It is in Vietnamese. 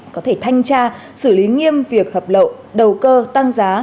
có thể thanh tra xử lý nghiêm việc hợp lộ đầu cơ tăng giá